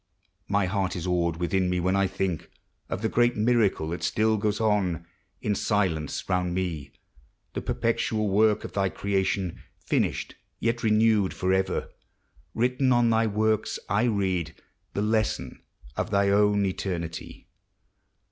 My heart is awed within me when I think Of the great miracle thai still goes on, In silence, round me, the perpetual wotU Of thy creation, finished, yet renewed Forever. Written on thy works I read The lesson of thy own eternity.